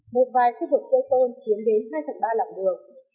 một vài khu vực cây tôn chiếm đến hai phần ba lòng đường